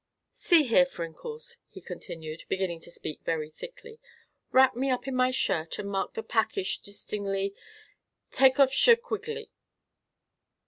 "See here, Frinkles," he continued, beginning to speak very thickly; "wrap me up in my shirt and mark the packish distingly. Take off shir quigly!"